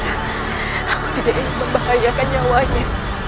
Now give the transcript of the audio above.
aku tidak ingin membahayakan nyawanya